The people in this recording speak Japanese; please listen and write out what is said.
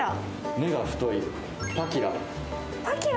根が太い、パキラ。